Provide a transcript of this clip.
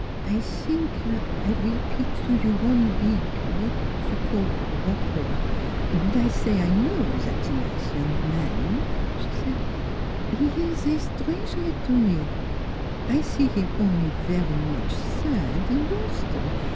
" I zink I repeat to you one beeg what you call wh opper, when I say I know zat nize young man," she said. " He ees etranger to me; I see him only vary much sad in Bos ton.